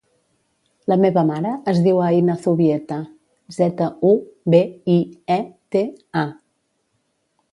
La meva mare es diu Aïna Zubieta: zeta, u, be, i, e, te, a.